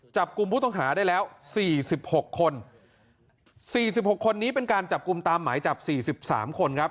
จับกลุ่มผู้ต้องหาได้แล้วสี่สิบหกคนสี่สิบหกคนนี้เป็นการจับกลุ่มตามหมายจับสี่สิบสามคนครับ